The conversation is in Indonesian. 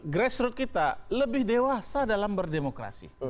grassroot kita lebih dewasa dalam berdemokrasi